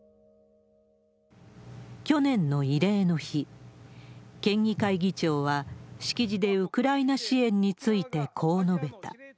去年の慰霊の日、県議会議長は、式辞でウクライナ支援についてこう述べた。